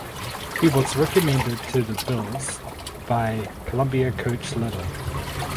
He was recommended to the Bills by Columbia coach Little.